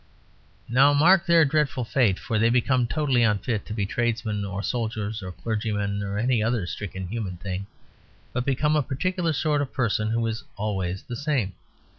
Now mark their dreadful fate; for they become totally unfit to be tradesmen, or soldiers, or clergymen, or any other stricken human thing, but become a particular sort of person who is always the same.